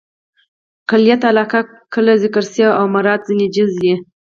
کلیت علاقه؛ کل ذکر سي او مراد ځني جز يي.